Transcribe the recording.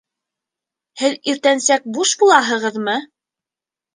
Һеҙ иртәнсәк буш булаһығыҙмы?